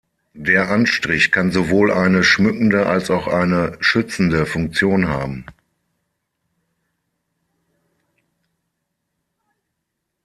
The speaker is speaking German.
Der Anstrich kann sowohl eine schmückende als auch eine schützende Funktion haben.